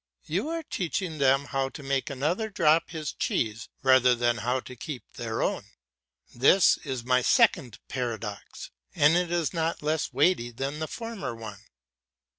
You are teaching them how to make another drop his cheese rather than how to keep their own. This is my second paradox, and it is not less weighty than the former one.